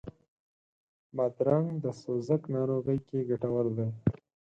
بادرنګ د سوزاک ناروغي کې ګټور دی.